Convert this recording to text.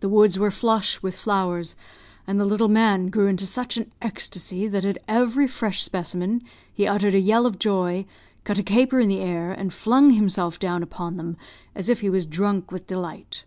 The woods were flush with flowers; and the little man grew into such an ecstacy, that at every fresh specimen he uttered a yell of joy, cut a caper in the air, and flung himself down upon them, as if he was drunk with delight.